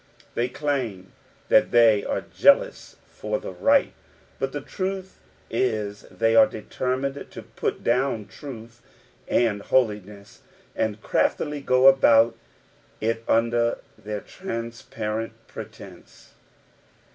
They claim that they are iea' ""'"'""" right, but the truth is they are determined to put down truth and 1 craftily go about it under this transparent pretence.